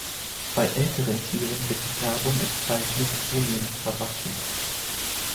Bei älteren Tieren wird die Färbung und Zeichnung zunehmend verwaschen.